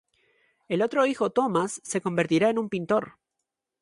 El otro hijo Thomas se convertirá en un pintor.